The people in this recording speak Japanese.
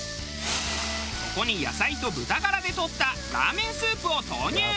そこに野菜と豚ガラでとったラーメンスープを投入。